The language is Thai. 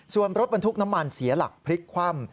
ส่วนรถบรรทุกน้ำมันเสียหลักพลิกคว่ำ